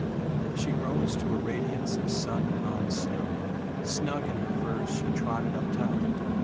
She rose to a radiance of sun on snow. Snug in her furs she trotted up town.